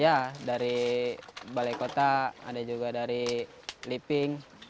ya dari balai kota ada juga dari liping